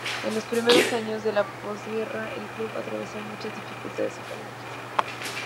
En los primeros años de la postguerra el club atravesó muchas dificultades económicas.